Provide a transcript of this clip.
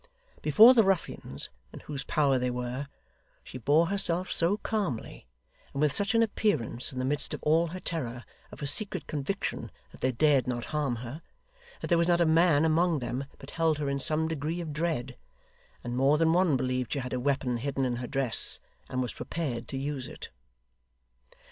Before the ruffians, in whose power they were, she bore herself so calmly, and with such an appearance, in the midst of all her terror, of a secret conviction that they dared not harm her, that there was not a man among them but held her in some degree of dread; and more than one believed she had a weapon hidden in her dress, and was prepared to use it.